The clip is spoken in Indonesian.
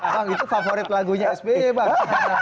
wah itu favorit lagunya sp bang